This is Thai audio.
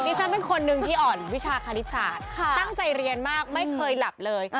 ฉันเป็นคนนึงที่อ่อนวิชาคณิตศาสตร์ตั้งใจเรียนมากไม่เคยหลับเลย